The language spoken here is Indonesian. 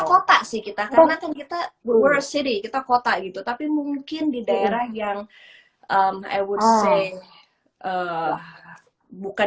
kota sih kita karena kita berwurah city kita kota gitu tapi mungkin di daerah yang i would say bukan